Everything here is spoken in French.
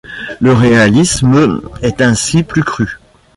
Le réalisme est ainsi plus cru.